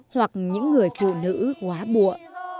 hoặc những người phụ nữ quá bụa